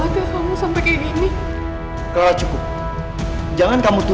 nah kau ngambek ampah buat dirimu di situ